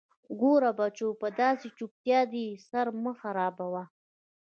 _ګوره بچو، په داسې چټياټو دې سر مه خرابوه.